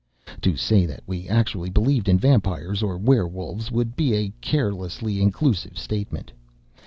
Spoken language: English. To say that we actually believed in vampires or werewolves would be a carelessly inclusive statement.